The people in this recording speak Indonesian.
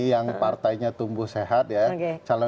yang partainya tumbuh sehat ya